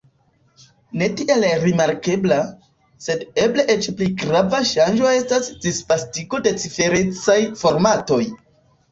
Ne tiel rimarkebla, sed eble eĉ pli grava ŝanĝo estas disvastigo de ciferecaj formatoj.